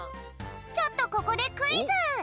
ちょっとここでクイズ！